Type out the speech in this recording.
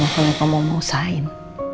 kalau kamu mau usahain